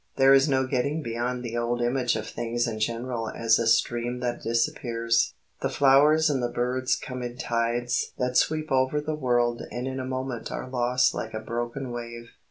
There is no getting beyond the old image of things in general as a stream that disappears. The flowers and the birds come in tides that sweep over the world and in a moment are lost like a broken wave.